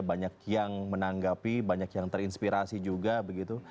banyak yang menanggapi banyak yang terinspirasi juga begitu